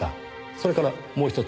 それからもう一つ。